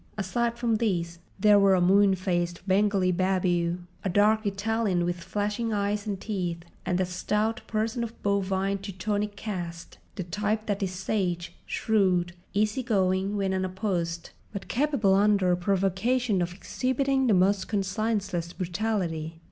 Aside from these there were a moon faced Bengali babu, a dark Italian with flashing eyes and teeth, and a stout person of bovine Teutonic cast—the type that is sage, shrewd, easy going when unopposed, but capable under provocation of exhibiting the most conscienceless brutality.